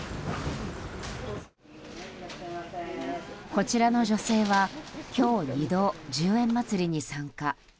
こちらの女性は今日２度１０円まつりに参加。